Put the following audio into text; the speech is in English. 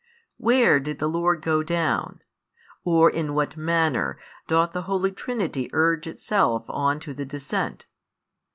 Where did the Lord go down? Or in what manner doth the Holy Trinity urge Itself on to the descent?